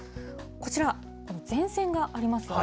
こちら、前線がありますよね。